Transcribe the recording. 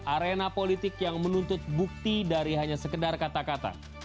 arena politik yang menuntut bukti dari hanya sekedar kata kata